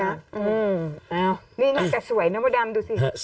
นี่นั่นแต่สวยเนาะดำดูสิ